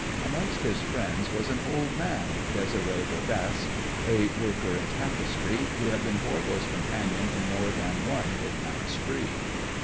Amongst his friends was an old man, Désiré Bodasse, a worker in tapestry, who had been Voirbo's companion in more than one midnight spree.